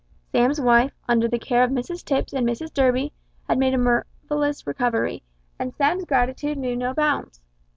Sam's wife, under the care of Mrs Tipps and Mrs Durby, had made a marvellous recovery, and Sam's gratitude knew no bounds.